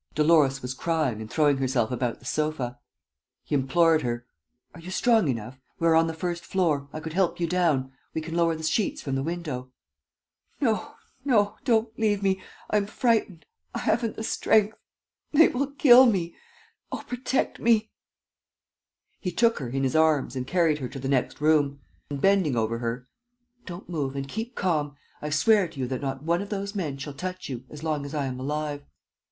Dolores was crying and throwing herself about the sofa. He implored her: "Are you strong enough? We are on the first floor. I could help you down. We can lower the sheets from the window. ..." "No, no, don't leave me. ... I am frightened. ... I haven't the strength ... they will kill me. ... Oh, protect me!" He took her in his arms and carried her to the next room. And, bending over her: "Don't move; and keep calm. I swear to you that not one of those men shall touch you, as long as I am alive."